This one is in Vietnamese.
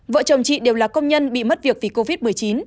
vợ chồng chị đều là công nhân bị mất việc vì covid một mươi chín